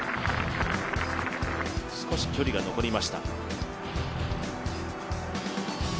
少し距離が残りました。